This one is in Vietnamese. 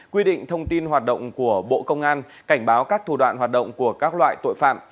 quy định thông tin hoạt động của bộ công an cảnh báo các thủ đoạn hoạt động của các loại tội phạm